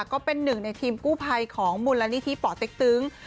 และเป็นทีมกู้ภัยของมุรณนิธิปเนธตึง